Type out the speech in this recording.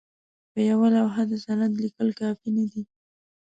په یوه لوحه د سند لیکل کافي نه دي.